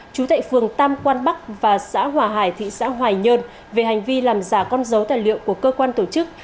trú tại phường tam quan bắc và xã hòa hải thị xã hoài nhơn về hành vi làm giả con dấu tài liệu của cơ quan tổ chức